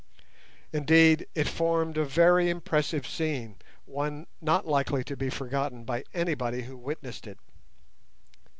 Indeed, it formed a very impressive scene—one not likely to be forgotten by anybody who witnessed it.